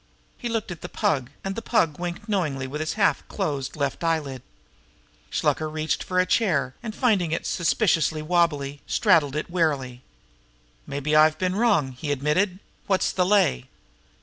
He looked at the Pug, and the Pug winked knowingly with his half closed left eyelid. Shluker reached out for a chair, and, finding it suspiciously wobbly, straddled it warily. "Mabbe I've been in wrong," he admitted. "What's the lay?"